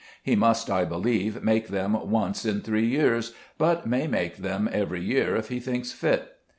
He must, I believe, make them once in three years, but may make them every year if he thinks fit.